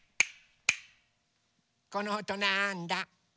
このおとなんだ？